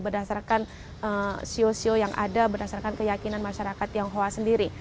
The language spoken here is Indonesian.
berdasarkan sio sio yang ada berdasarkan keyakinan masyarakat tionghoa sendiri